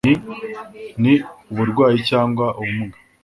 n uburwayi cyangwa ubumuga